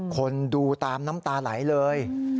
คนดูตามน้ำตาไหลเลย